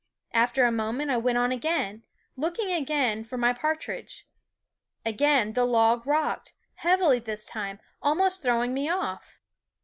After a moment I went on again, looking again for my partridge. Again the log rocked, heavily this time, almost throw ing me off.